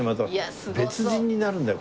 別人になるんだよ。